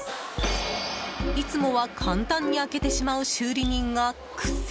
いつもは簡単に開けてしまう修理人が苦戦。